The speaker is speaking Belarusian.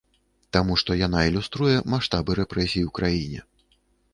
Таму што яна ілюструе маштабы рэпрэсій у краіне.